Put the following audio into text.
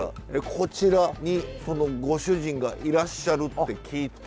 こちらにそのご主人がいらっしゃるって聞いてる。